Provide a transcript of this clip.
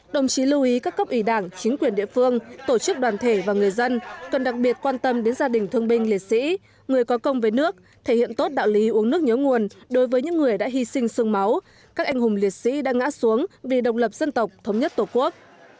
đồng chí lưu ý các cấp ủy đảng chính quyền địa phương tổ chức đoàn thể và người dân cần đặc biệt quan tâm đến gia đình thương binh liệt sĩ người có công với nước thể hiện tốt đạo lý uống nước nhớ nguồn đối với những người đã hy sinh sương máu các anh hùng liệt sĩ đã ngã xuống vì độc lập dân tộc thống nhất tổ quốc